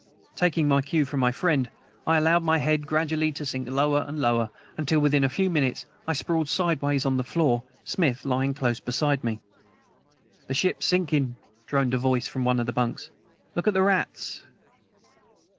Taking my cue from my friend, I allowed my head gradually to sink lower and lower, until, within a few minutes, I sprawled sideways on the floor, Smith lying close beside me. "The ship's sinkin'," droned a voice from one of the bunks. "Look at the rats."